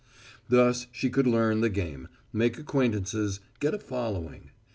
Thus, she could learn the game, make acquaintances, get a following.